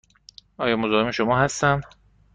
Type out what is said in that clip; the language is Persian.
آیا مزاحم شما هستم؟